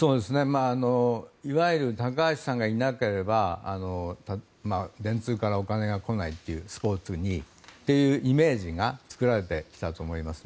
いわゆる高橋さんがいなければ電通からスポーツにお金が来ないというイメージが作られてきたと思います。